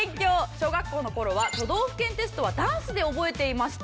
「小学校の頃は都道府県テストはダンスで覚えていました」。